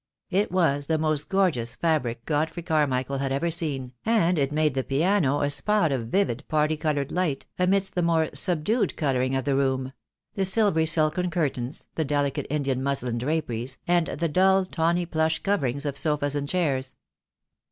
It was the most gorgeous fabric God frey Carmichael had ever seen, and it made the piano a spot of vivid parti coloured light, amidst the more sub dued colouring of the room — the silvery silken curtains, the delicate Indian muslin draperies, and the dull tawny plush coverings of sofas and chairs.